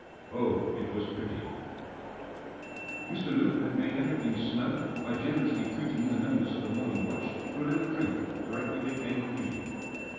Oh, It was pretty ! Mr. Luke had made everything snug by generously treating the members of the morning watch to a little drink directly they came on duty.